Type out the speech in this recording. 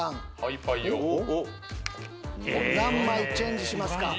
何枚チェンジしますか？